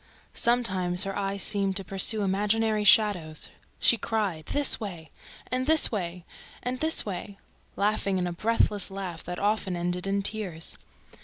Sometimes her eyes seemed to pursue imaginary shadows. She cried, "This way," and "This way," and "This way," laughing a breathless laugh that often ended in tears.